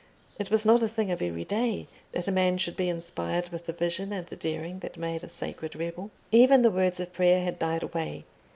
It was not a thing of everyday that a man should be inspired with the vision and the daring that made a sacred rebel. Even the words of prayer had died away.